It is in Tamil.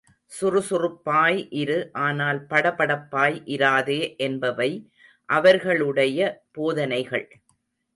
சுறுசுறுப்பாய் இரு ஆனால் படபடப்பாய் இராதே என்பவை அவர்களுடைய போதனைகள்.